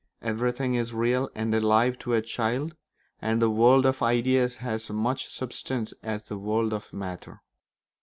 Everything is real and alive to a child, and the world of ideas has as much substance as the world of matter.